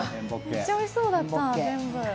めっちゃおいしそうだった、全部。